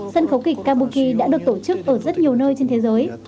sân khấu kịch kabuki đã được tổ chức ở rất nhiều nơi trên thế giới